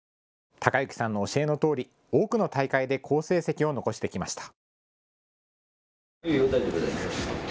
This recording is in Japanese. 貴之さんの教えのとおり、多くの大会で好成績を残してきました。